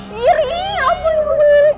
riri apa lu